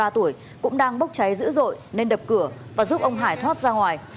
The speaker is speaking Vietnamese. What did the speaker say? ba mươi ba tuổi cũng đang bốc cháy dữ dội nên đập cửa và giúp ông hải thoát ra ngoài